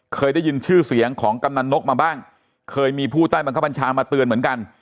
เคยได้ยินชื่อเสียงของกำนันนกมาบ้างเคยมีผู้ใต้บังคับบัญชามาเตือนเหมือนกัน